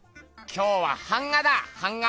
今日は版画だ版画！